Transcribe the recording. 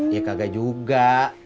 ya kagak juga